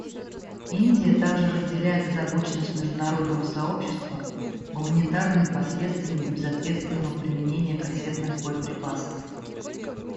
Индия также разделяет озабоченность международного сообщества гуманитарными последствиями безответственного применения кассетных боеприпасов.